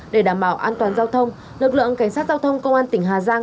để đảm bảo an toàn giao thông lực lượng cảnh sát giao thông công an tỉnh hà giang